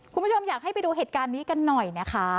คุณผู้ชมอยากให้ไปดูเหตุการณ์นี้กันหน่อยนะคะ